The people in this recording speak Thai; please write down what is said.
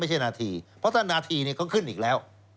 ไม่ใช่นาทีเพราะถ้านาทีเขาขึ้นอีกแล้ว